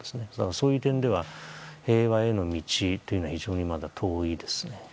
そういう点では平和への道というのは非常にまだ、遠いですね。